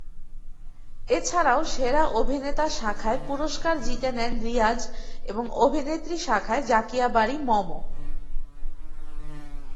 এছাড়াও সেরা অভিনেতা শাখায় পুরস্কার জিতে নেন রিয়াজ এবং অভিনেত্রী শাখায় জাকিয়া বারী মম।